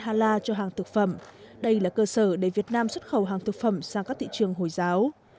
hala cho hàng thực phẩm đây là cơ sở để việt nam xuất khẩu hàng thực phẩm sang các thị trường hồi giáo